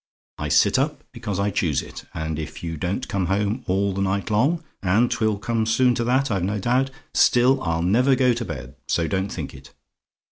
I sit up because I choose it; and if you don't come home all the night long and 'twill soon come to that, I've no doubt still, I'll never go to bed, so don't think it.